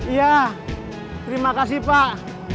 iya terima kasih pak